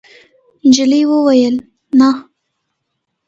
نجلۍ وویل: «نه.»